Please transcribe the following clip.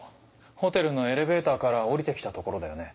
ホテルのエレベーターから降りて来たところだよね。